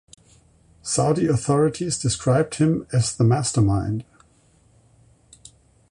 Saudi authorities described him as the "mastermind".